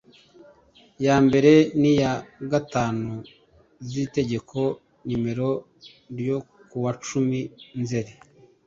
ya mbere n iya gatanu z itegeko nimero ryo kuwacumi nzeri